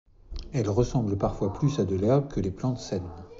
Elles ressemblent parfois plus à de l'herbe que les plantes saines.